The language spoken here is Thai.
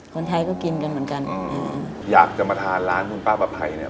คนไทยก็กินกันเหมือนกันอืมอยากจะมาทานร้านคุณป้าประภัยเนี้ย